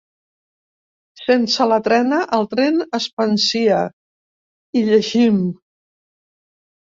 "Sense la trena, el tren es pansia", hi llegim.